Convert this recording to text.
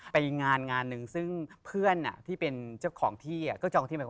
ไปงานงานซึ่งเพื่อนที่เป็นเจ้าของที่